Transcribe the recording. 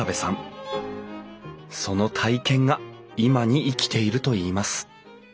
その体験が今に生きているといいます